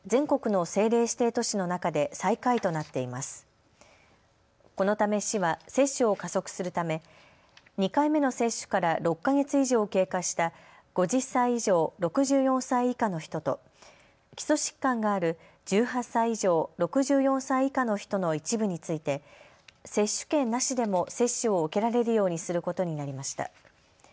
このため市は接種を加速するため２回目の接種から６か月以上経過した５０歳以上、６４歳以下の人と基礎疾患がある１８歳以上、６４歳以下の人の一部について接種券なしでも接種を受けられるようにすることになりました。